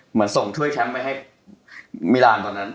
เหมือนส่งถ้วยแชมป์ไปให้มิรานตอนนั้น